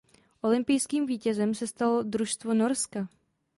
Olympijským vítězem se stalo družstvo Norska.